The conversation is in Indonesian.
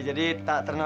jadi tak tererodai